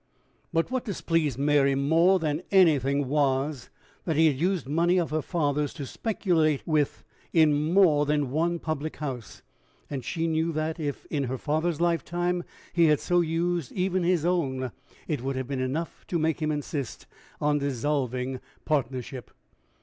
But what displeased Mary more than anything was, that he had used money of her father's to speculate with in more than one public house; and she knew that, if in her father's lifetime he had so used even his own, it would have been enough to make him insist on dissolving partnership.